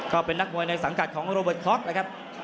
ก็เป็นนักมวยในสังกัดของโรเบิร์ตคล็อปนะครับ